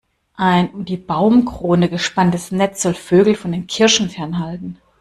Ein um die Baumkrone gespanntes Netz soll Vögel von den Kirschen fernhalten.